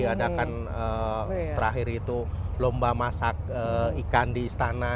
diadakan terakhir itu lomba masak ikan di istana